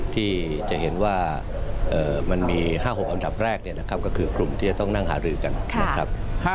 ที่จะเห็นว่ามันมี๕๖อันดับแรกเนี่ยนะครับ